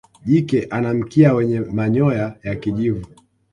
jike ana mkia wenye manyoya ya kijivu